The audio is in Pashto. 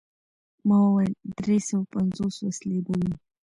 ما وویل: دری سوه پنځوس وسلې به وي.